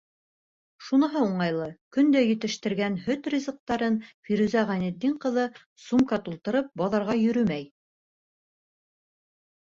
Шуныһы уңайлы: көн дә етештергән һөт ризыҡтарын Фирүзә Ғәйнетдин ҡыҙы, сумка тултырып, баҙарға йөрөмәй.